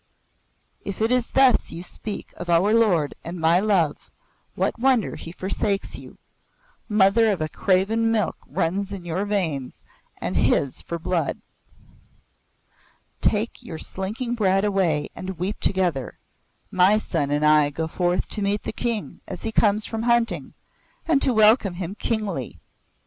"If it is thus you speak of our lord and my love, what wonder he forsakes you? Mother of a craven milk runs in your veins and his for blood. Take your slinking brat away and weep together! My son and I go forth to meet the King as he comes from hunting, and to welcome him kingly!"